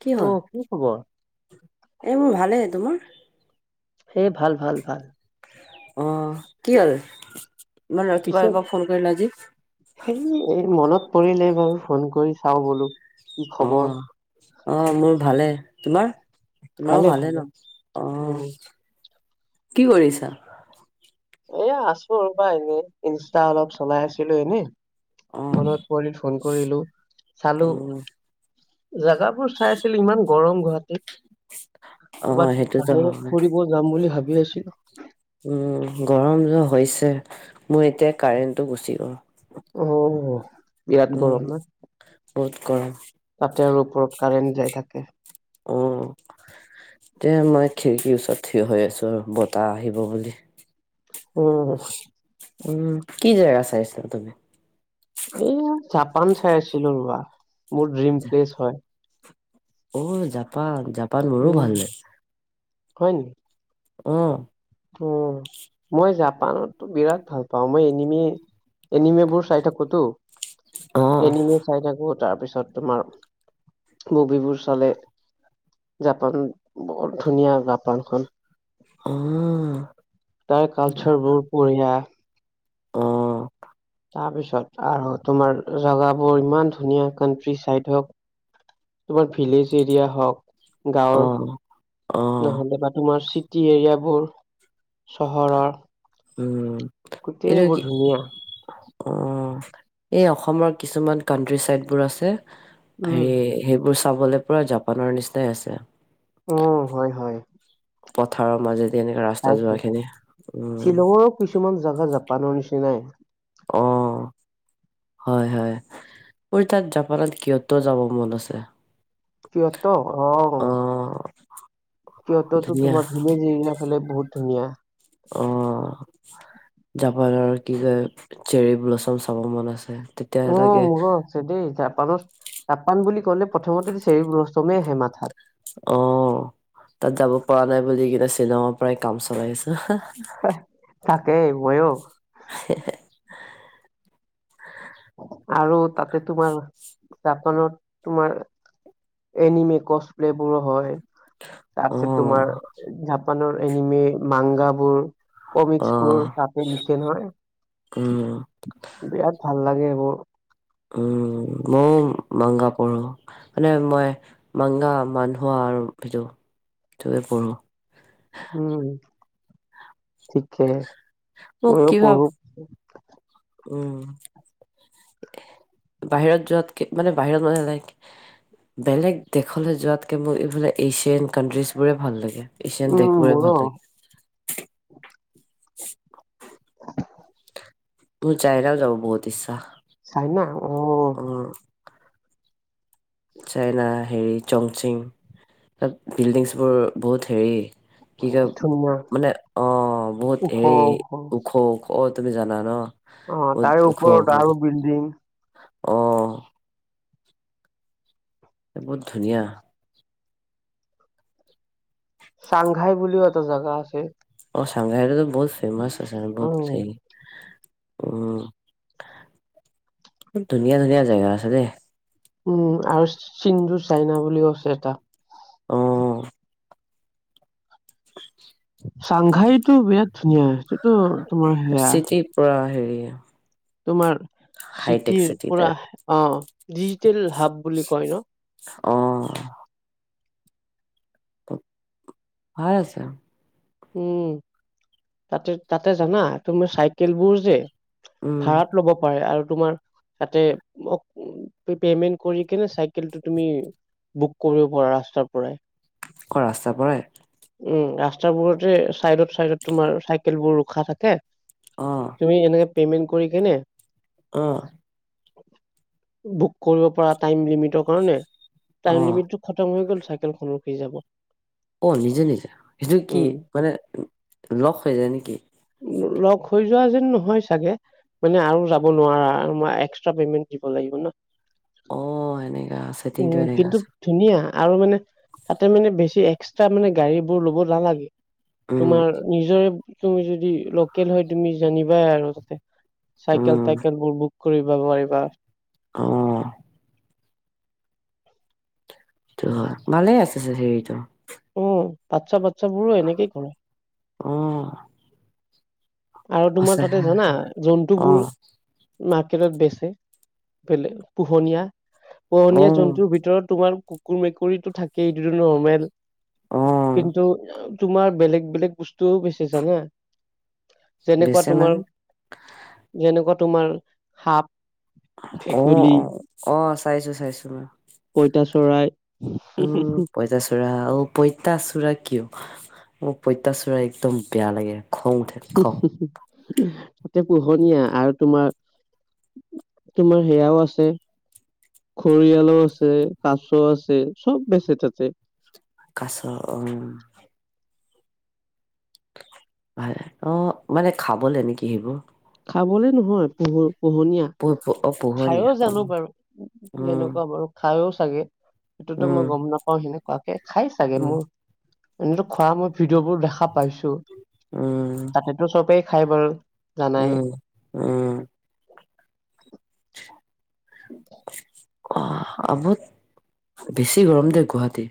কি অ হ'ল? খবৰ এই মোৰ ভালেই। তোমাৰ? হেই ভাল ভাল ভাল। অহ। কি হ'ল? ইমান পিছে ৰাতিপুৱা-ৰাতিপুৱা ফোন কৰিলা আজি? কৰিলেই বাৰু ফোন কৰি চাওঁ বোলো। কি খবৰ অহ অহ। মোৰ ভালেই। তোমাৰ? তোমাৰো ভালে ন? উম অহ। কি কৰি আছা? এয়া আছো ৰ'বা। এনেই ইনষ্টা অলপ চলাই আছিলোঁ এনেই। অ মনত পৰিল ফোন কৰিলোঁ। চালোঁ। উম জেগাবোৰ চাইছিলোঁ। ইমান গৰম গুৱাহাটীত অ ক'ৰবাত সেইটোতো বাহিৰত হয় ফুৰিব যাম বুলি ভাবি আছিলোঁ। উম, গৰমটো হৈছে। মোৰ এতিয়া কাৰেণ্টটো গুচি গ'ল। অহ অ', বিৰাট উম গৰম না? বহুত গৰম। তাতে আৰু ওপৰত কাৰেণ্ট যাই থাকে। অ'। তে মই খিৰিকীৰ ওচৰত থিয় হৈ আছোঁ বতাহ আহিব বুলি। অ'। উম, কি জেগা চাইছা তুমি? এয়া জাপান চাই আছিলোঁ ৰবা। মোৰ ড্ৰিম প্লেচ হয়। অ', জাপান জাপান মোৰো উম ভাল লাগে। হয় নি? অহ। উম, মই জাপানতটো বিৰাট ভাল পাওঁ। মই এনিমি এনিমেবোৰ চাই থাকোটো। অ এনিমে চাই থাকো। তাৰপিছত তোমাৰ মুভিবোৰ চলে। জাপান, বৰ ধুনীয়া জাপানখন। অ তাৰ কালচাৰবোৰ বঢ়িয়া। অ তাৰপিছত আৰু তোমাৰ জেগাবোৰ ইমান ধুনীয়া কানট্ৰিচাইড হওঁক। তোমাৰ ভিলেজ এৰিয়া হওঁক। গাঁৱৰ অ', অ', নহ'লে বা তোমাৰ চিটি এৰিয়াবোৰ। চহৰৰ। উম। এইটো গোটেইবোৰ কি ধুনীয়া। অ', এই অসমৰ কিছুমান কাণ্ট্ৰিচাইদ বোৰ আছে। উম হেৰি সেইবোৰ চাবলৈ পুৰা জাপানৰ নিচিনাই আছে। উম, হয় হয়। পথাৰৰ মাজেদি এনেকে ৰাস্তা চাইছো যোৱা খিনি। উম। শ্বিলঙৰো কিছুমান জাগা জাপানৰ নিচিনাই। অ', হয় হয়। মোৰ তাত জাপানত কিয়তৌ যাব মন আছে। কিয়তৌ? অহ। অ', কিয়তৌটো ধুনীয়া তোমাৰ ভিলেজ এৰিয়া ফালে বহুত ধুনীয়া। অ'। জাপানৰ কি কয় চেৰী ব্লুচম চাব মন আছে। তেতিয়া লাগে অ', মোৰো আছে দেই জাপানত। জাপান বুলি ক'লে প্ৰথমতেে চেৰী ব্লুচমে আহে মা অ', তাত যাব পৰা নাই বুলি কেনে শ্বিলঙৰ পৰাই কাম চলাই আছোঁ। তাকেই মইও। [inaudible] আৰু তাতে তোমাৰ জাপানত তোমাৰ এনিমি কচ প্লে'বোৰো হয়। তাৰপিছত অ', তোমাৰ জাপানৰ এনিমে মাংগাবোৰ। কমিক্সবোৰ অ', তাতে লিখে নহয়। উম। বিৰাট ভাল লাগে মোৰ। উম, মইও মাংগা পঢ়ো। মানে মই মাংগা মানুহা আৰু ভিটো ভিটোৱে পঢ়োঁ। আ উম। ঠিকে মোক ময়ো কিবা পঢ়ো। উম, বাহিৰত যোৱাত কে মানে বাহিৰত মানে লাইক বেলেগ দেশলৈ যোৱাতকে মোক এইফালে এছিয়ান কাণ্ট্ৰিজবোৰে ভাল লাগে। এছিয়ান উম দেশবোৰে মোৰো ভাল লাগে। [inaudible] মোৰ চাইৰাও যাব বহুত ইচ্ছা। চাইনা অ'। উম, চাইনা হেৰি চংচিং। তাত বিল্ডিংছবোৰ বহুত হেৰি। কি ক ধুনীয়া মানে অ', বহুত হেৰি ওখ ওখ অ', তুমি জানা ন'। অ', বহুত তাৰে ওপৰত আৰু বিল্ডিং। আহ। বহুত ধুনীয়া। চাংঘাই বুলিও এটা জাগা আছে। অ', চংঘাইততো বহুত ফেমচ আছে অ বহুত [inaudible] উম, ধুনীয়া ধুনীয়া জেগা আছে দেই। উম, আৰু চিন্ধু চাইনা বুলিও আছে এটা। অহ। চাংঘাইটো বিৰাট ধুনীয়া সেইটোতো তোমাৰ হেয়া চিটি পুৰা [inaudible] তোমাৰ হাইটেক চিটিৰ চিটি পৰা। টাইপ অ', ডিজিটেল হাব বুলি কয় ন? অ'। হয় আহিছে। উম, তাতে তাতে জানা? তুমি চাইকেলবোৰ যে উম, ভাত ল'ব পাৰে আৰু তোমাৰ তাতে অ' পেমেন্ট কৰি কেনে চাইকেলটো তুমি বুক কৰিব পাৰা ৰাস্তাৰ পৰাই। ক ৰাস্তাৰ পৰাই? উম, ৰাস্তাবোৰতে ছাইডত ছাইডত তোমাৰ চাইকেলবোৰ ৰোখা থাকে। অ', তুমি এনেকে পেমেণ্ট কৰি কেনে আহ। বুক কৰিব পৰা টাইম লিমিটৰ কাৰণে, টাইম অ', লিমিটটো খতম হৈ গ'ল চাইকেলখন ৰখি যাব। অ', নিজে নিজে সেইটো কি উম মানে উ, লক হৈ যায় নেকি? লক হৈ যোৱা যেন নহয় চাগে মানে আৰু যাব নোৱাৰা আৰু মই এক্সট্ৰা পেমেন্ট দিব লাগিব ন'। অ', সেনেক উম, কিন্তু ধুনীয়া। আৰু মানে তাতে মানে বেছি এক্সট্ৰা মানে গাড়ীবোৰ ল'ব নালাগে। উম, তোমাৰ নিজৰে তুমি যদি লোকেল হয়, তুমি জানিবাই আৰু তাতে। উম, চাইকেল তাইকেলবোৰ বুক কৰিবা নোৱাৰিবা। আহ। ত' ভালে আছে যদি সেইটো। উম, বাচ্ছা বাচ্ছাবোৰো এনেকেই কৰে। উহ। আৰু তোমাৰ তাতে জানা? জন্তুবোৰ অ', মাৰ্কেটত বেচে, বেলে পোহনীয়া। পোহনীয়া অ', জন্তুৰ ভিতৰত তোমাৰ কুকুৰ মেকুৰীতটো থাকে এইটোটো নৰ্মেল। অ', কিন্তু অ, তোমাৰ বেলেগ বেলেগ বস্তুও বেচে জানা? যেনেকুৱা বেচে তোমাৰ, মানে যেনেকুৱা তোমাৰ সাপ অ', ভেকুলী অ', অ', চাইছোঁ চাইছোঁ মই। পইতা চৰাই উম, পঁইতাচোৰা অ', পঁইতাচোৰা কিয়, মোৰ পঁইতাচোৰা একদম বেয়া লাগে খং উঠে খং। তাতে পোহনীয়া আৰু তোমাৰ তোমাৰ সেয়াও আছে। ঘৰিয়ালো আছে, কাছ আছে চব বেচে তাতে কাছ অ'। ভাল অ', মানে খাবলে নেকি সেইবোৰ? খাবলে নহয় পোহুৰ। পোহনীয়া। প অ খাইও পোহনীয়া অ জানো বাৰু উম যেনেকুৱা বাৰু খাইও চাগে। সেইটোতো মই উম গম নাপাওঁ সেনেকুৱাকে। খাই চাগে উম মোৰ এনেতো খোৱা মই ভিডিঅ'বোৰ দেখা পাইছো। উম তাতেতো চবেই খাই বাৰু। জানাই উম, উম। [inaudible] অ', আবত বেছি গৰম দেই গুৱাহাটী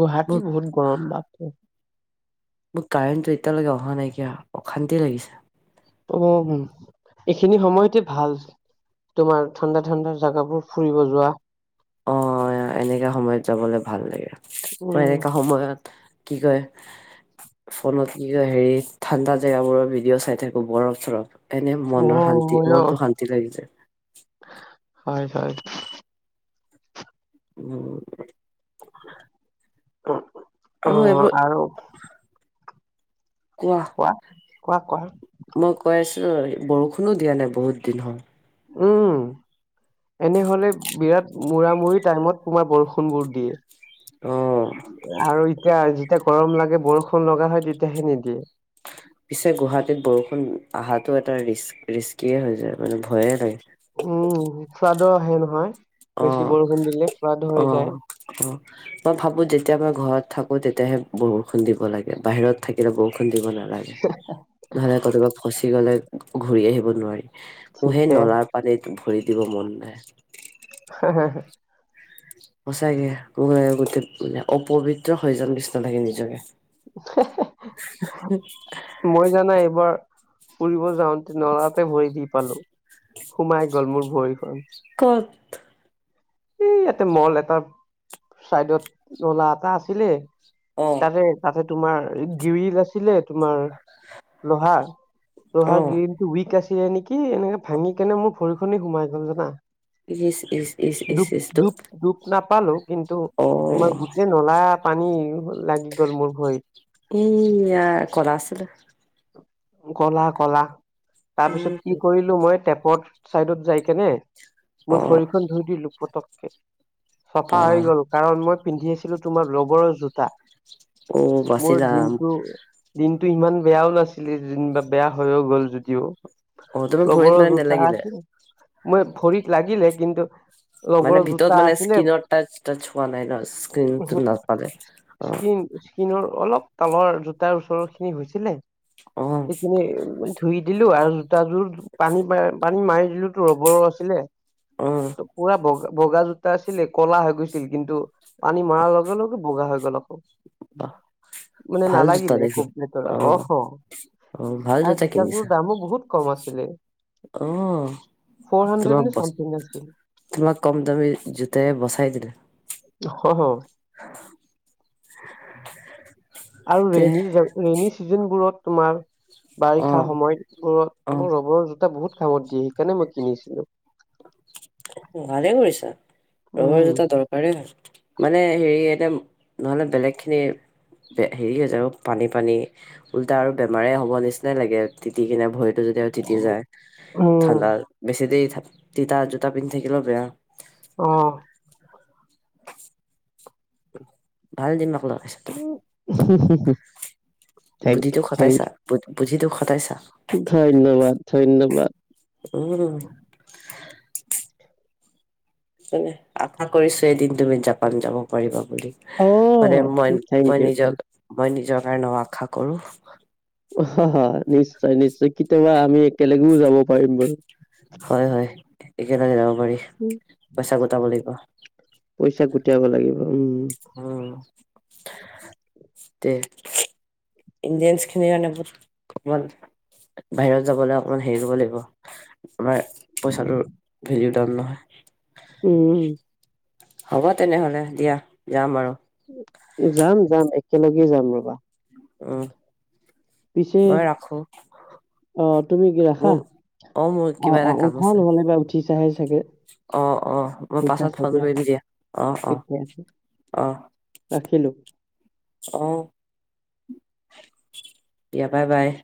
গুৱাহাটী মোক বহুত গৰম বাপৰে। মোৰ কাৰেণ্টো এতিয়ালৈকে অহা নাইকিয়া অশান্তি লাগিছে। [unintelligible] এইখিনি সময়তে ভাল। তোমাৰ ঠাণ্ডা ঠাণ্ডা জাগাবোৰ ফুৰিব যোৱা। অ', এনেকা সময়ত যাবলৈ ভাল লাগে। মই উম এনেকা সময়ত কি কয় ফোনত কি কয় হেৰি ঠাণ্ডা জেগাবোৰৰ ভিডিঅ' চাই থাকো বৰফ চৰফ। এনে অ মনৰ শান্তি, মইয়ো মনটো শান্তি লাগি যায়। হয় হয়। উম। আৰু অ', এইবোৰ আৰু। কোৱা। কোৱা কোৱা মই কৈ আছোঁ বৰষুণো দিয়া নাই বহুত দিন হ'ল। উম। এনেহ'লে বিৰাট মূৰা-মূৰি টাইমত তোমাৰ বৰষুণবোৰ দিয়ে। অ আৰু তেতিয়া যেতিয়া গৰম লাগে বৰষুণ লগা হয় তেতিয়াহে নিদিয়ে। পিছে গুৱাহাটীত বৰষুণ আহাটো এটা ৰিস্ক ৰিস্কিয়ে হৈ যায়। মানে ভয়ে উম নাই। ফ্লাডো আহে নহয়। বেছি অ', বৰষুণ দিলে ফ্লাড হৈ যায় অ', অ', মই ভাৱোঁ যেতিয়া মই ঘৰত থাকো তে তিয়াহে বৰষুণ দিব লাগে। বাহিৰত থাকিলে বৰষুণ দিব না লাগে। নহ'লে কতোবাত ফচি গলে ঘূৰি আহিব নোৱাৰি। মোৰ সেই ঠিকে নলাৰ পানীত ভৰি দিব মন নাই। [inaudible] সঁচাকে কোনোবাই গোটেইে অপৱিত্ৰ সজন কৃষ্ণ থাকে নিজকে। মই জানাই এইবাৰ ফুৰিব যাওঁতে নৰাতে ভৰি দি পালো। সোমাই গল মোৰ ভৰিখন। ক'ত? এই ইয়াতে, মল এটা চাইডত নলা এটা আছিলে। অ তাতে তাতে তোমাৰ গিৰিল আছিলে তোমাৰ। লোহাৰ। অ লোহাৰ গ্ৰিণটো উইক আছ টিয়ে নেকি এনেকে ভাঙি কেনে মোৰ ভৰিখনি সোমাই গ'ল জানা। ইচ্-ইচ্। দুপ দুপ দুপ নাপালোঁ। কিন্তু অ তোমাৰ গোটেই নলা পানী লাগি গ'ল মোৰ ভৰিত। এয়া ক'লা আছিলে। ক'লা ক'লা। তাৰ পিছত উম কি কৰিলো মই টেপ পথ চাইডত যাই কেনে মোৰ অ ভৰিখন ধুই দিলো পতকে। চাফা বা হৈ গ'ল। কাৰণ মই পিন্ধি আছিলো তোমাৰ ৰবৰৰ জোতা। অ মোৰ বাচিলা দিনটো দিনটো ইমান বেয়াও নাছ ছিলে যেনিবা। বেয়া হৈয়ো গ'ল যদিও অ তোমাৰ ভৰিত ৰববৰ মানে জোতা নেলাগিলে আছিল। মই ভৰিত লাগিলে কিন্তু মানে ৰবৰৰ জোতা ভিতৰত মানে আছিলে স্কিনৰ টাচ টাচ হোৱা নাই ন স্কিনটো নাপালে। অ'। স্কিন স্কিনৰ অলপ তালৰ জোতাৰ ওচৰৰখিনি হৈছিলে। অ সেইখিনি ধুই দিলো আৰু জোতাযোৰ পানী পানী মাৰি টো ৰবৰৰ আছিলে। অ'। ত পুৰা বগা বগা জোতা আছিলে ক'লা হৈ গৈছিল কিন্তু পানী মৰাৰ লগে লগে বগা হৈ গ'ল আকৌ অ মানে ভাল জোতা নালাগিলে দেখোন একোটৰা অ অ ভাল আৰু জোতা জোতাৰ দামো বহুত কম আছিলে অহ, ফ'ৰ হাণ্ড্ৰেড তোমাক নে বছ চামথিং আছিল তোমাক কম দামী জোতাই বচাই দিলে। অহ, অ'। [inaudible] আৰু দেহ ৰেন ৰেনী ছিজনবোৰত তোমাৰ অ বাৰিষা অ সময়বোৰত ৰবৰ জোতা বহুত কামত দিয়ে সেইকাৰণে মই কিনিছিলো ভালে কৰিছা ৰবৰ জোতা দৰকাৰেই মানে হেৰি এটা নহলে বেলেগ খিনি হেৰি হৈছে আৰু পানী পানী উওল্টা আৰু বেমাৰে হ'ব নিচিনা নিচিনাই লাগে তিতি কিনে ভৰিতো যদি আৰু তি যায় উম ঠাণ্ডা বেছি দেৰি তিতা জোতা পিন্ধি থাকিলেও বেয়া অহ ভাল দি উ [unintelligible] থেং ইউ বুদ্ধিটো থেংক খটাইছা বুদ্ধিটো খটাইছা ইউ ধন্যবাদ ধন্যবাদ উম হয়নে আশা কৰিছো এদিন তুমি জাপান যাব পাৰিবা অ মানে মই থেংক মই ইউ নিজৰ থেংক মই নিজৰ কাৰণে আশা কৰো ইউ হয় নিশ্চয় নিশ্চয় কেতিয়াবা আমি একেলগেও যাব পাৰিম বাৰু হয় হয় একেলগে যাব পাৰি পইচা গোটাব লাগিব পইচা গোটায়াব লাগিব উম উম তে ইণ্ডিয়ানছ খিনি মানে বহুত কমন বাহিৰত যাবলৈ অকমান হেৰি লব লাগিব আমাৰ পইচাটোৰ ভেলিউ ডাউন নহয় উম হ'ব তেনেহলে দিয়া যাম আৰু যাম যাম একেলগে যাম ৰবা উ পিছে মই ৰাখো অ তুমি কি ৰাখা মোৰ মোৰ অ কিবা অ উঠা নহ'লে বা উঠি চাহে চাগে অহ অ মই ঠিক পাছত আছে ফোন কৰি দিো দিয়া অ অ ঠিকে আছে অহ ৰাখিলো অহ দিয়া বাই বাই